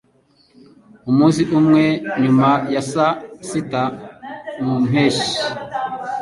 Umunsi umwe nyuma ya saa sita mu mpeshyi